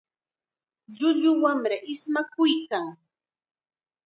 Llullu wamram ismakuykan.